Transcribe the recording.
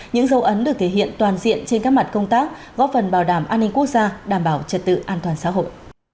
những dấu ấn được thể hiện toàn diện trên các mặt công tác góp phần bảo đảm an ninh quốc gia đảm bảo trật tự an toàn xã hội